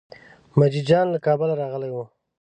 مجید جان له کابله راغلی و.